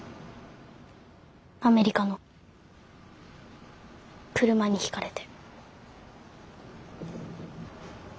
アメリカの車にひかれて。